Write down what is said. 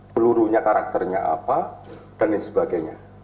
pelurunya karakternya apa dan lain sebagainya